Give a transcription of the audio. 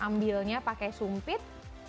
ambilnya pakai sumpit